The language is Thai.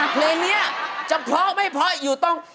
เพลงนี้จะเพราะไม่เพราะอยู่ตรง